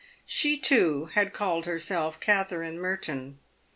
She, too, had called herself Katherine Merton.